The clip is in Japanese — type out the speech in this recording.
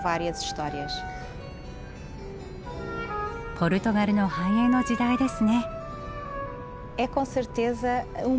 ポルトガルの繁栄の時代ですね。